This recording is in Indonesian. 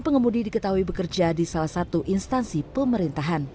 pengemudi diketahui bekerja di salah satu instansi pemerintahan